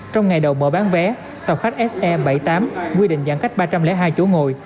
trong ngày đầu mở bán vé tàu khách se bảy mươi tám quy định giãn cách ba trăm linh hai chỗ ngồi